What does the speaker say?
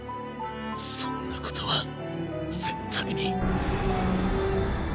そんなことは絶対に。